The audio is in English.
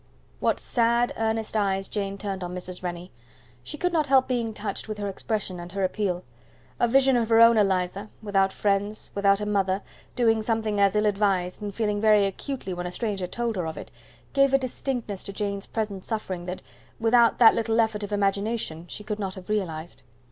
What sad earnest eyes Jane turned on Mrs. Rennie! she could not help being touched with her expression and her appeal. A vision of her own Eliza without friends without a mother doing something as ill advised, and feeling very acutely when a stranger told her of it, gave a distinctness to Jane's present suffering that, without that little effort of imagination, she could not have realized.